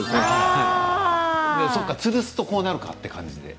そうか、つるすとこうなるかという感じで。